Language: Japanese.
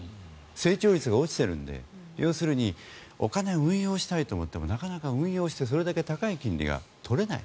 成長率が落ちているので要するにお金を運用したいと思ってもなかなか運用してそれだけ高い金利が取れない。